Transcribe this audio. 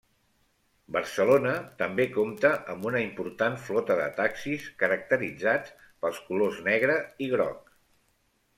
Barcelona també compta amb una important flota de taxis, caracteritzats pels colors negre i groc.